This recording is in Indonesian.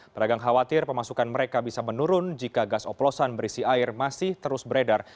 pedagang khawatir pemasukan mereka bisa menurun jika gas oplosan berisi air masih terus beredar